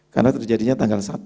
karena terjadinya tanggal satu